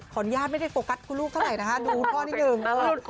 ขอนญาติไม่ได้โฟกัสคุณลูกเท่าไหร่ดูพ่อนิดหนึ่ง